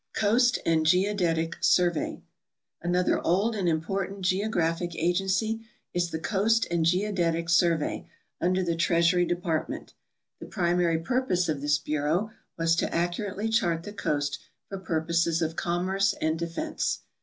Coast and Geodetic Survey. — Another old and important geo graphic agency is the Coast and Geodetic Survey, under the Treas ury Department. The primary purpose of this bureau was to accurately chart the coast for purposes of commerce and defense.